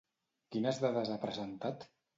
Quines dades ha presentat?